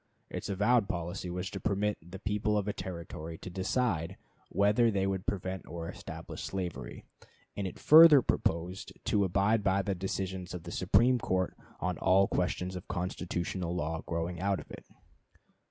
Its avowed policy was to permit the people of a Territory to decide whether they would prevent or establish slavery, and it further proposed to abide by the decisions of the Supreme Court on all questions of constitutional law growing out of it.